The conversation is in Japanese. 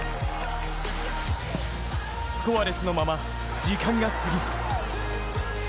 スコアレスのまま時間が過ぎる。